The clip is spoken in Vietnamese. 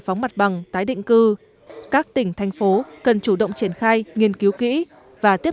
phóng mặt bằng tái định cư các tỉnh thành phố cần chủ động triển khai nghiên cứu kỹ và tiếp